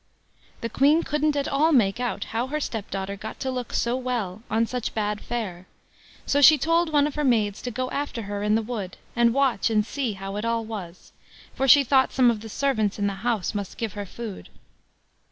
The Queen couldn't at all make out how her stepdaughter got to look so well on such bad fare, so she told one of her maids to go after her in the wood, and watch and see how it all was, for she thought some of the servants in the house must give her food.